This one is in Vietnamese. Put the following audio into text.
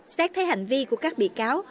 xét thấy hành vi của các bị cáo